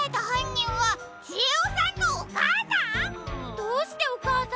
どうしておかあさんが？